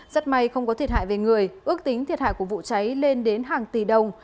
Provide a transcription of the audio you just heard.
rất may không có thiệt hại về người ước tính thiệt hại của vụ cháy lên đến hàng tỷ đồng